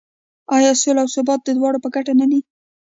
آیا سوله او ثبات د دواړو په ګټه نه دی؟